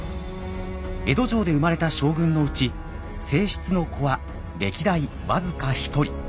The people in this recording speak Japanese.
江戸城で生まれた将軍のうち正室の子は歴代僅か１人。